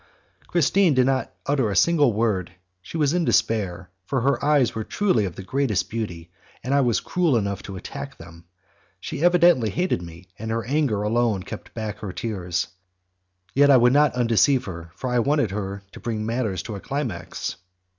Christine did not utter a single word, she was in despair, for her eyes were truly of the greatest beauty, and I was cruel enough to attack them. She evidently hated me, and her anger alone kept back her tears. Yet I would not undeceive her, for I wanted her to bring matters to a climax.